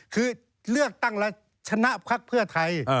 คือเลือกตั้งแล้วชนะพักเพื่อไทย